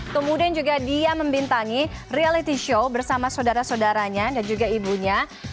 kemudian juga dia membintangi reality show bersama saudara saudaranya dan juga ibunya